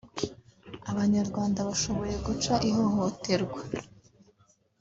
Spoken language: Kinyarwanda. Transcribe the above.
Abanyarwanda bashoboye guca ihohoterwa